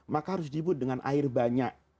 maka harus dibuat dengan air banyak